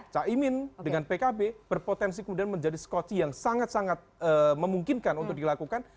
caimin dengan pkb berpotensi kemudian menjadi skoci yang sangat sangat memungkinkan untuk dilakukan